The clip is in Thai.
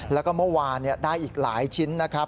แล้วก็เมื่อวานได้อีกหลายชิ้นนะครับ